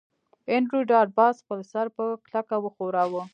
انډریو ډاټ باس خپل سر په کلکه وښوراوه